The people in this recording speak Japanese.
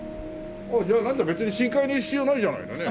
じゃあなんだ別に深海にいる必要ないじゃないのね。